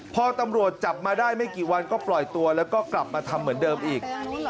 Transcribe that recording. พอตำรวจจับมาได้ไม่กี่วันก็ปล่อยตัวแล้วก็กลับมาทำเหมือนเดิมอีก